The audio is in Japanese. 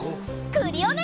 クリオネ！